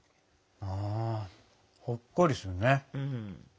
うんほっこりするね。